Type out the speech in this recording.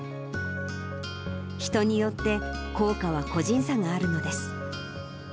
人によって効果は個人差があるのです。